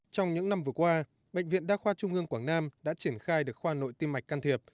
trong những năm vừa qua bệnh viện đa khoa trung ương quảng nam đã triển khai được khoa nội tiêm mạch can thiệp